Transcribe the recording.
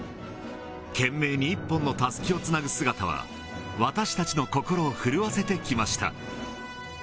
懸命に一本のたすきをつなぐ姿は、私たちの心を震わせてきました。